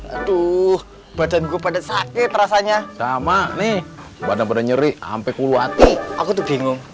aduh badan gua pada sakit rasanya sama nih pada pada nyeri sampai kulwati aku tuh bingung